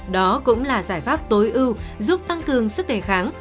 đó cũng là giải pháp tối ưu giúp tăng cường sức đề kháng